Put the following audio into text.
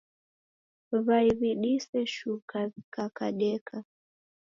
W'ai w'idise shuka w'ikakadeka.